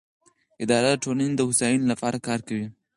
اداره د ټولنې د هوساینې لپاره کار کوي.